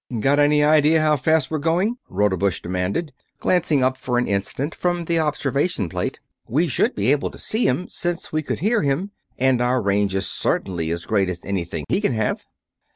"Got any idea how fast we're going?" Rodebush demanded, glancing up for an instant from the observation plate. "We should be able to see him, since we could hear him, and our range is certainly as great as anything he can have."